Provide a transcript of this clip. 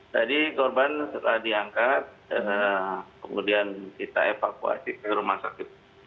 tadi korban setelah diangkat kemudian kita evakuasi ke rumah sakit